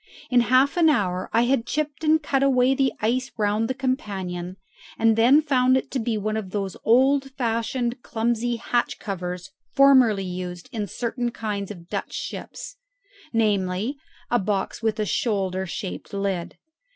In half an hour I had chipped and cut away the ice round the companion, and then found it to be one of those old fashioned clumsy hatch covers formerly used in certain kinds of Dutch ships namely, a box with a shoulder shaped lid.